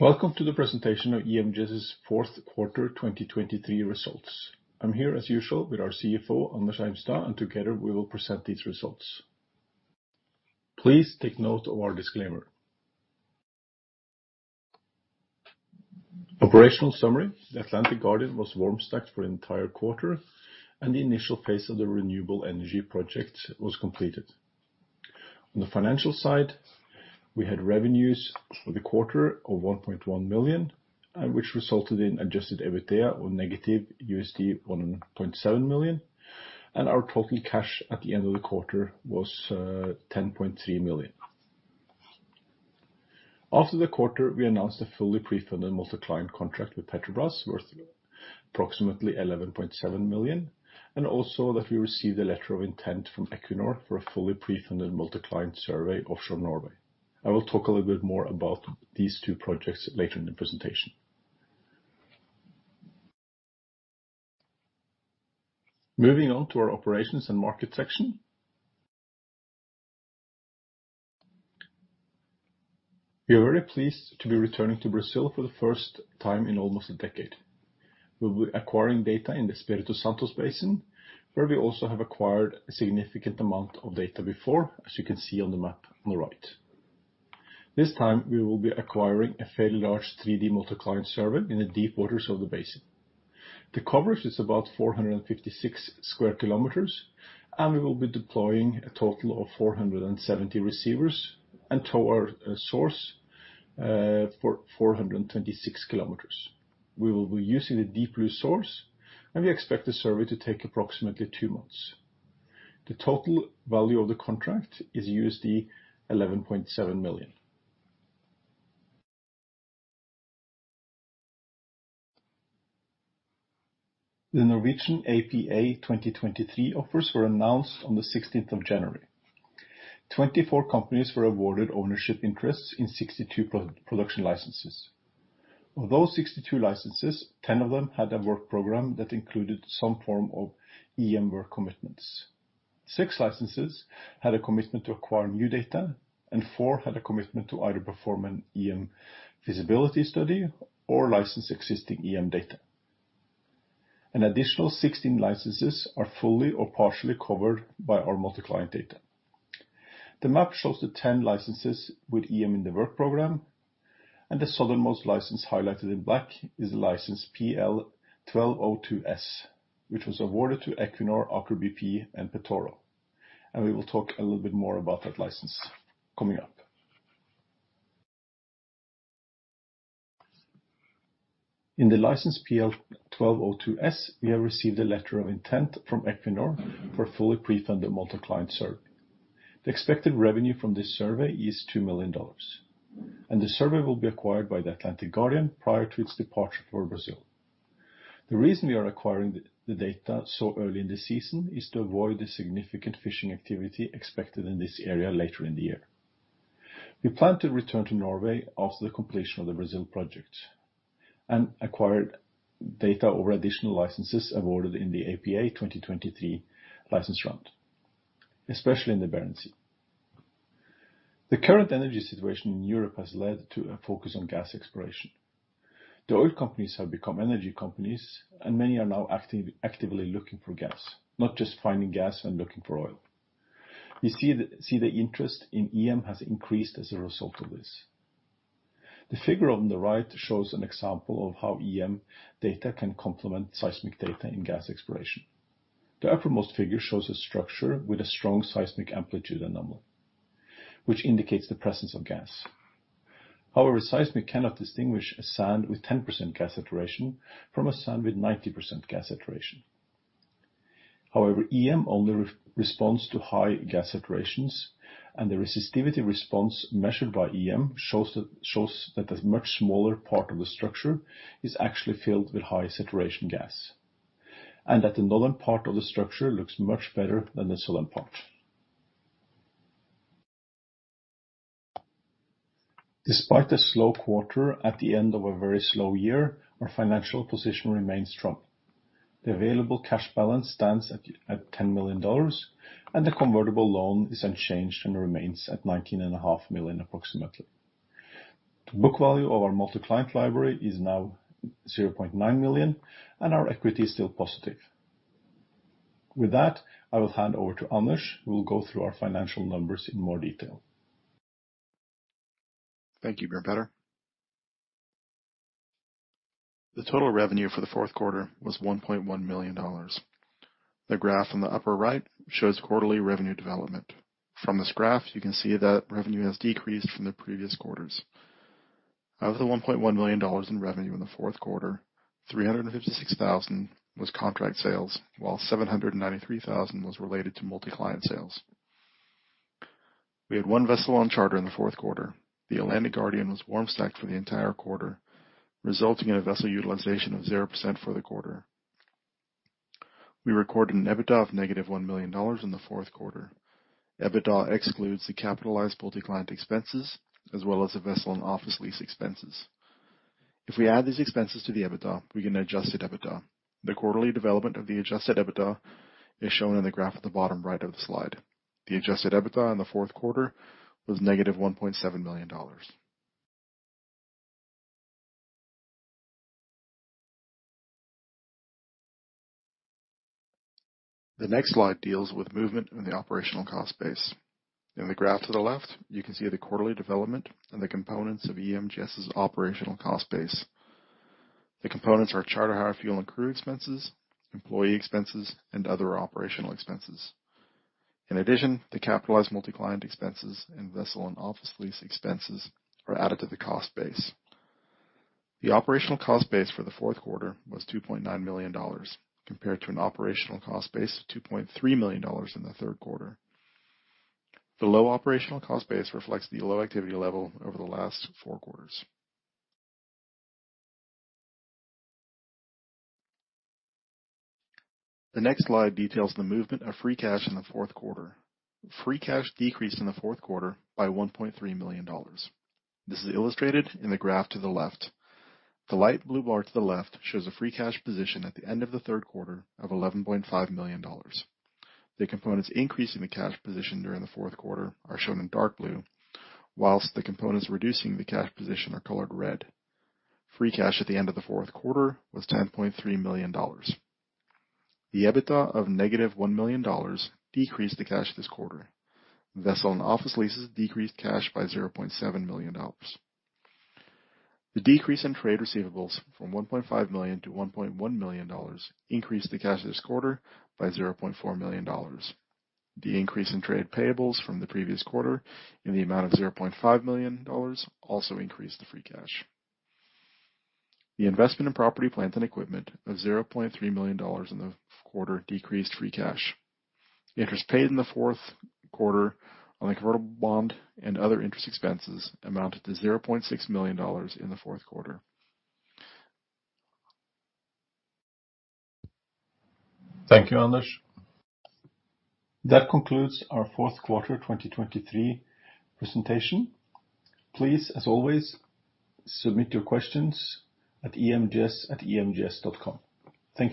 Welcome to the presentation of EMGS's Q4 2023 results. I'm here, as usual, with our CFO, Anders Eimstad, and together we will present these results. Please take note of our disclaimer. Operational summary: The Atlantic Guardian was warm stacked for the entire quarter, and the initial phase of the renewable energy project was completed. On the financial side, we had revenues for the quarter of $1.1 million, which resulted in adjusted EBITDA of negative $1.7 million, and our total cash at the end of the quarter was $10.3 million. After the quarter, we announced a fully pre-funded multi-client contract with Petrobras worth approximately $11.7 million, and also that we received a letter of intent from Equinor for a fully pre-funded multi-client survey offshore Norway. I will talk a little bit more about these two projects later in the presentation. Moving on to our operations and market section. We are very pleased to be returning to Brazil for the first time in almost a decade. We'll be acquiring data in the Espírito Santo Basin, where we also have acquired a significant amount of data before, as you can see on the map on the right. This time, we will be acquiring a fairly large 3D multi-client survey in the deep waters of the basin. The coverage is about 456 square kilometers, and we will be deploying a total of 470 receivers and tow our source for 426 kilometers. We will be using a Deep Blue source, and we expect the survey to take approximately two months. The total value of the contract is $11.7 million. The Norwegian APA 2023 offers were announced on the sixteenth of January. 24 companies were awarded ownership interests in 62 production licenses. Of those 62 licenses, 10 of them had a work program that included some form of EM work commitments. Six licenses had a commitment to acquire new data, and four had a commitment to either perform an EM feasibility study or license existing EM data. An additional 16 licenses are fully or partially covered by our multi-client data. The map shows the 10 licenses with EM in the work program, and the southernmost license, highlighted in black, is the license PL 1202S, which was awarded to Equinor, Aker BP, and Petoro, and we will talk a little bit more about that license coming up. In the license PL 1202S, we have received a letter of intent from Equinor for a fully pre-funded multi-client survey. The expected revenue from this survey is $2 million, and the survey will be acquired by the Atlantic Guardian prior to its departure for Brazil. The reason we are acquiring the data so early in the season is to avoid the significant fishing activity expected in this area later in the year. We plan to return to Norway after the completion of the Brazil project and acquire data over additional licenses awarded in the APA 2023 license round, especially in the Barents Sea. The current energy situation in Europe has led to a focus on gas exploration. The oil companies have become energy companies, and many are now actively looking for gas, not just finding gas and looking for oil. We see the interest in EM has increased as a result of this. The figure on the right shows an example of how EM data can complement seismic data in gas exploration. The uppermost figure shows a structure with a strong seismic amplitude anomaly, which indicates the presence of gas. However, seismic cannot distinguish a sand with 10% gas saturation from a sand with 90% gas saturation. However, EM only responds to high gas saturations, and the resistivity response measured by EM shows that the much smaller part of the structure is actually filled with high saturation gas, and that the northern part of the structure looks much better than the southern part. Despite the slow quarter at the end of a very slow year, our financial position remains strong. The available cash balance stands at $10 million, and the convertible loan is unchanged and remains at $19.5 million approximately. The book value of our multi-client library is now $0.9 million, and our equity is still positive. With that, I will hand over to Anders, who will go through our financial numbers in more detail. Thank you, Bjørn Petter. The total revenue for the Q4 was $1.1 million. The graph on the upper right shows quarterly revenue development. From this graph, you can see that revenue has decreased from the previous quarters. Of the $1.1 million in revenue in the Q4, $356,000 was contract sales, while $793,000 was related to multi-client sales. We had one vessel on charter in the Q4. The Atlantic Guardian was warm stacked for the entire quarter, resulting in a vessel utilization of 0% for the quarter. We recorded an EBITDA of -$1 million in the Q4. EBITDA excludes the capitalized multi-client expenses as well as the vessel and office lease expenses.... If we add these expenses to the EBITDA, we get an adjusted EBITDA. The quarterly development of the adjusted EBITDA is shown in the graph at the bottom right of the slide. The adjusted EBITDA in the Q4 was -$1.7 million. The next slide deals with movement in the operational cost base. In the graph to the left, you can see the quarterly development and the components of EMGS's operational cost base. The components are charter hire, fuel, and crew expenses, employee expenses, and other operational expenses. In addition, the capitalized multi-client expenses and vessel and office lease expenses are added to the cost base. The operational cost base for the Q4 was $2.9 million, compared to an operational cost base of $2.3 million in the Q3. The low operational cost base reflects the low activity level over the last Q4. The next slide details the movement of free cash in the Q4. Free cash decreased in the Q4 by $1.3 million. This is illustrated in the graph to the left. The light blue bar to the left shows a free cash position at the end of the Q3 of $11.5 million. The components increasing the cash position during the Q4 are shown in dark blue, while the components reducing the cash position are colored red. Free cash at the end of the Q4 was $10.3 million. The EBITDA of -$1 million decreased the cash this quarter. Vessel and office leases decreased cash by $0.7 million. The decrease in trade receivables from $1.5 million dollars to $1.1 million dollars increased the cash this quarter by $0.4 million dollars. The increase in trade payables from the previous quarter, in the amount of $0.5 million dollars, also increased the free cash. The investment in property, plant, and equipment of $0.3 million dollars in the quarter decreased free cash. The interest paid in the Q4 on the convertible bond and other interest expenses amounted to $0.6 million dollars in the Q4. Thank you, Anders. That concludes our Q4 2023 presentation. Please, as always, submit your questions at emgs@emgs.com. Thank you.